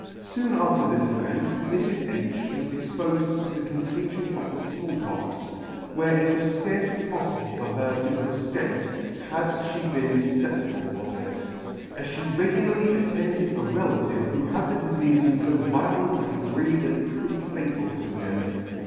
Soon after this event Mrs. H —— was expofed to the contagion of the Small Pox, where it was fcarcely poflible for her to have efcaped, had file been fufceptible of it, as fhe regularly attended a relative who had the difeafe in fo violent a degree that it proved fatal to him.